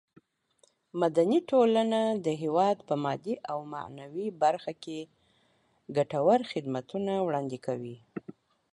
مدني ټولنه د هېواد په مادي او معنوي برخه کې ګټور خدمتونه وړاندې کوي.